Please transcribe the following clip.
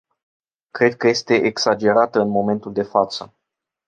Cred că este exagerată în momentul de față.